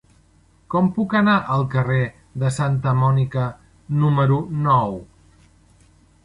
Com puc anar al carrer de Santa Mònica número nou?